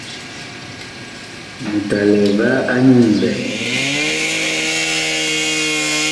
Mut a lɛ va nyu nlɛɛ?